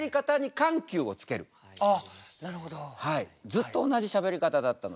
ずっと同じしゃべり方だったので。